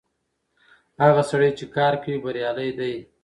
هغه سړی چې کار کوي بريالی دی.